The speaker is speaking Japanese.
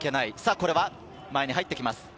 これは前に入って行きます。